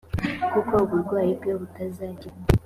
kuko uburwayi bwe butazakira